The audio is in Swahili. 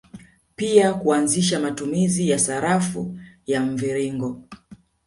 Pia kuanzisha matumizi ya sarafu ya mviringo